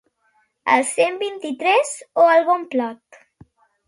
El Cent vint-i-tres o el Bon blat?